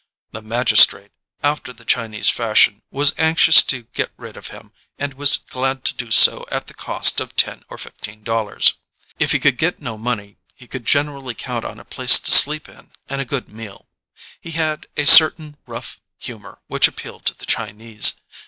The magistrate, after the Chinese fashion, was anxious to get rid of him and was glad to do so at the cost of ten or fifteen dollars. If he could get no money he could generally count on a place to sleep in and a good meal. He had a certain rough humour which appealed 'to the Chinese.